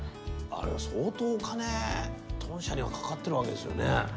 あれは相当お金豚舎にはかかってるわけですよね。